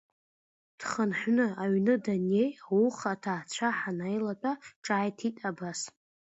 Дхынҳәны аҩны даннеи, ауха аҭаацәа ҳанааилатәа ҿааиҭит абас…